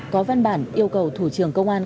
có văn bản yêu cầu thủ trưởng công an